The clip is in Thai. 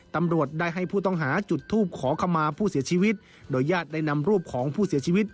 ตำรวจได้ให้ผู้ต้องหาจุดทูปขอขมาผู้เสียชีวิตโดยญาติได้นำรูปของผู้เสียชีวิต